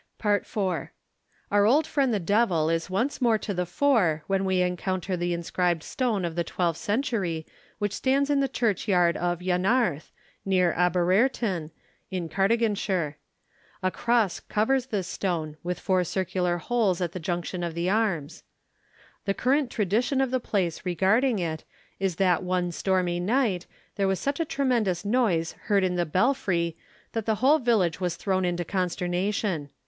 FOOTNOTE: Roberts, 'Camb. Pop. Ant.,' 220. IV. Our old friend the devil is once more to the fore when we encounter the inscribed stone of the twelfth century, which stands in the churchyard of Llanarth, near Aberaeron, in Cardiganshire. A cross covers this stone, with four circular holes at the junction of the arms. The current tradition of the place regarding it is that one stormy night, there was such a tremendous noise heard in the belfry that the whole village was thrown into consternation.